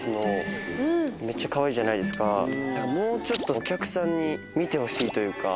もうちょっとお客さんに見てほしいというか。